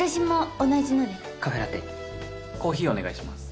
コーヒーお願いします。